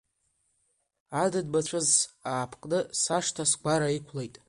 Адыд-мацәыс аапкны, сашҭа, сгәара иқәлеит.